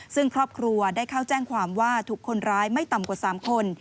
ซึ่งครอบครัวได้เข้าแจ้งความว่าถูกคนร้ายไม่ต่ำกว่า๓คน